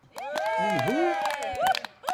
Menhu?